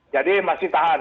jadi masih tahan